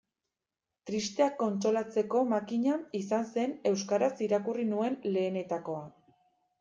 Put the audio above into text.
Tristeak kontsolatzeko makina izan zen euskaraz irakurri nuen lehenetakoa.